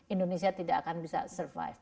indonesia tidak akan bisa survive